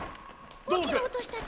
おおきなおとしたち。